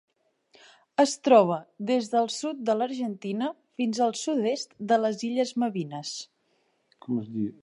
Es troba des del sud de l'Argentina fins al sud-est de les illes Malvines.